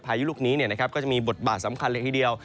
พายุลูกนี้ก็จะมีบทบาทสำคัญเลยทีเดียว